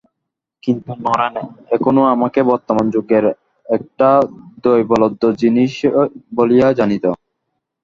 কিন্তু, নরেন এখনো আমাকে বর্তমান যুগের একটা দৈবলব্ধ জিনিস বলিয়াই জানিত।